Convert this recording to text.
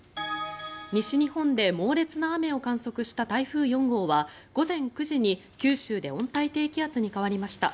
西日本で猛烈な雨を観測した台風４号は午前９時に九州で温帯低気圧に変わりました。